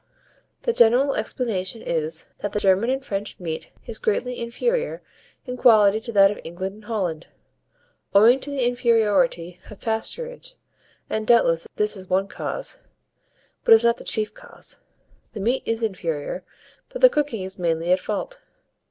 The general explanation is, that the German and French meat is greatly inferior in quality to that of England and Holland, owing to the inferiority of pasturage; and doubtless this is one cause, but it is not the chief cause. The meat is inferior, but the cooking is mainly at fault.